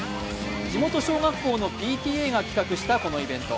地元小学校のＰＴＡが企画したこのイベント。